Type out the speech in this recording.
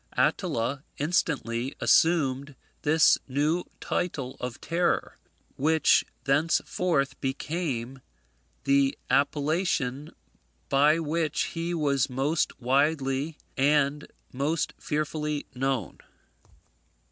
Attila instantly assumed this new title of terror, which thenceforth became the appellation by which he was most widely and most fearfully known.